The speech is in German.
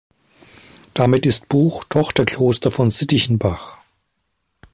Damit ist Buch Tochterkloster von Sittichenbach.